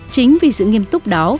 chính vì sự nghiêm túc đó